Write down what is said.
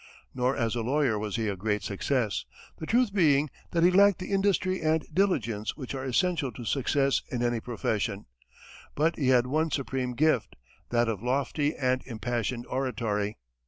Nor as a lawyer was he a great success, the truth being that he lacked the industry and diligence which are essential to success in any profession; but he had one supreme gift, that of lofty and impassioned oratory.